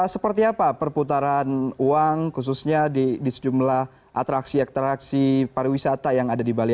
seperti apa perputaran uang khususnya di sejumlah atraksi atraksi pariwisata yang ada di bali